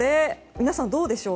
皆さん、どうでしょう。